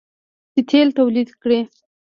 چې تیل تولید کړي.